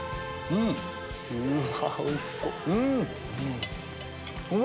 うわおいしそう！